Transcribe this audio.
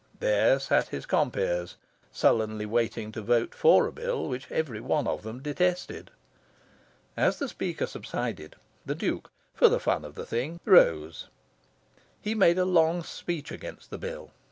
There sat his compeers, sullenly waiting to vote for a bill which every one of them detested. As the speaker subsided, the Duke, for the fun of the thing, rose. He made a long speech against the bill.